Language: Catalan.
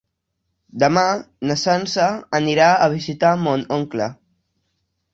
Demà na Sança anirà a visitar mon oncle.